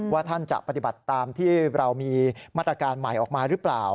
ท่านจะปฏิบัติตามที่เรามีมาตรการใหม่ออกมาหรือเปล่า